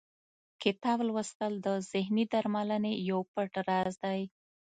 کتاب لوستل د ذهني درملنې یو پټ راز دی.